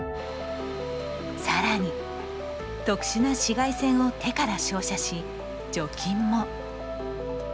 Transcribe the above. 更に特殊な紫外線を手から照射し除菌も。